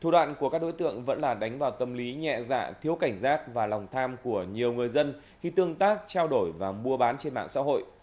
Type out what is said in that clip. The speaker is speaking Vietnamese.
thủ đoạn của các đối tượng vẫn là đánh vào tâm lý nhẹ dạ thiếu cảnh giác và lòng tham của nhiều người dân khi tương tác trao đổi và mua bán trên mạng xã hội